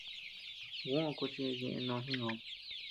Juó kuchis ñeʼe no jingöm.